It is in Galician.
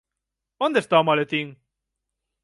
Onde está o maletín?